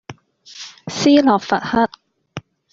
斯洛伐克